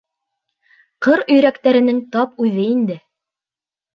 — Ҡыр өйрәктәренең тап үҙе инде!